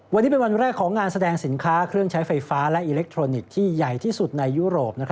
วันนี้เป็นวันแรกของงานแสดงสินค้าเครื่องใช้ไฟฟ้าและอิเล็กทรอนิกส์ที่ใหญ่ที่สุดในยุโรป